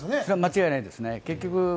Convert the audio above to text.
間違いないですね。